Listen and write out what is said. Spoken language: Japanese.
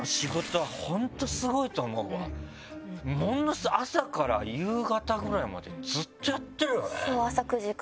スゴい朝から夕方ぐらいまでずっとやってるよね？